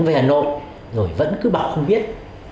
vẫn chạy thẳng về hà nội rồi vẫn cứ bảo không biết